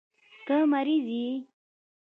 ته مريض يې.